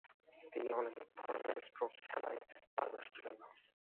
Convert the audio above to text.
তিনি অনেক ধরনের স্ট্রোক খেলায় পারদর্শী ছিলেন না।